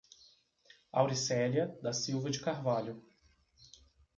Auricelia da Silva de Carvalho